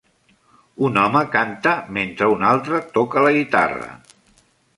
Un home canta mentre un altre toca la guitarra.